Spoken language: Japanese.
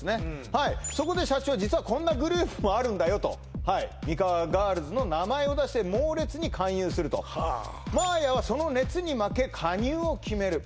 はいそこで社長は「実はこんなグループもあるんだよ」とミカワガールズの名前を出して猛烈に勧誘すると守彬はその熱に負け加入を決める